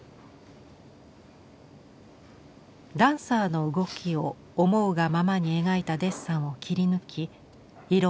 ダンサーの動きを思うがままに描いたデッサンを切り抜き色を塗り